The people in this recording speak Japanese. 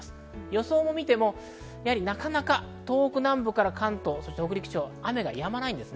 予想を見ても、なかなか東北南部から関東、北陸地方は雨がやまないです。